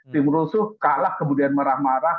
tim rusuh kalah kemudian marah marah